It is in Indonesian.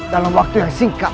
dalam waktu yang singkat